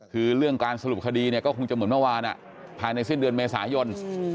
คือเรื่องการสรุปคดีเนี่ยก็คงจะเหมือนเมื่อวานภายในสิ้นเดือนเมษายน